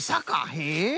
へえ。